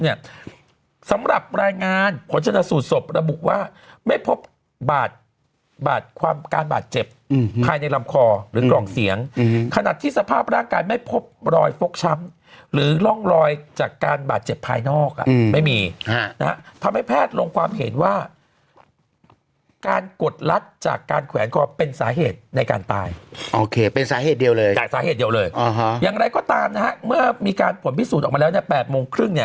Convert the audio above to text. สำหรับรายงานผลชนะสูตรศพระบุว่าไม่พบบาดความการบาดเจ็บภายในลำคอหรือกล่องเสียงขนาดที่สภาพร่างกายไม่พบรอยฟกช้ำหรือร่องรอยจากการบาดเจ็บภายนอกอ่ะไม่มีฮะนะฮะทำให้แพทย์ลงความเห็นว่าการกดลัดจากการแขวนคอเป็นสาเหตุในการตายโอเคเป็นสาเหตุเดียวเลยจากสาเหตุเดียวเลยอย่างไรก็ตามนะฮะเมื่อมีการผลพิสูจน์ออกมาแล้วเนี่ย๘โมงครึ่งเนี่ย